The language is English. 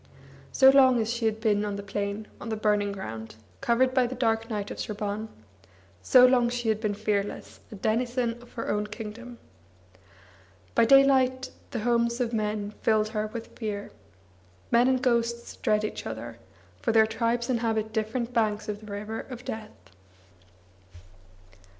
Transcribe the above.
So long as she had been on the plain, on the burning ground, covered by the dark night of Sraban, so long she had been fearless, a denizen of her own kingdom. By daylight the homes of men filled her with fear. Men and ghosts dread each other, for their tribes inhabit different banks of the river of death.